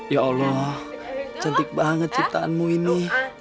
ya allah cantik banget ciptaanmu ini